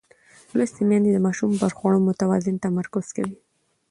لوستې میندې د ماشوم پر خوړو متوازن تمرکز کوي.